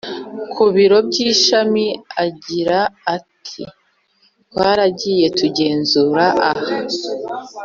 ku biro by ishami Agira ati twatangiye kugenzura aho